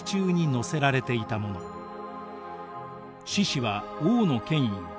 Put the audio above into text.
獅子は王の権威。